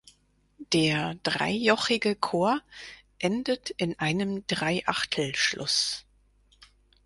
Der dreijochige Chor endet in einem Dreiachtelschluss.